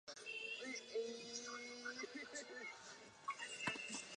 尔后进军青海。